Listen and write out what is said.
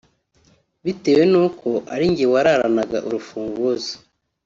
Bitewe n’uko ari njye wararanaga urufunguzo